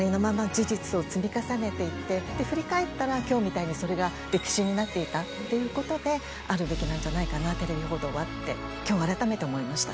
を積み重ねていって振り返ったら今日みたいにそれが歴史になっていたっていうことであるべきなんじゃないかなテレビ報道はって今日あらためて思いました。